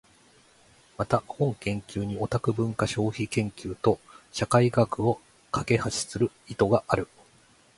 また、本研究にはオタク文化消費研究と社会学を架橋する意図がある。